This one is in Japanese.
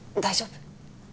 大丈夫？